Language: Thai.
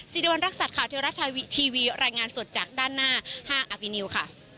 เทียร์รัฐทาวิที้วีรายงานสดจากด้านหน้าห้างอัฟฟินิวค่ะ